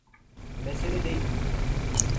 Mesele değil.